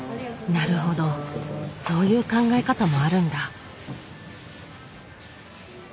なるほどそういう考え方もあるんだ。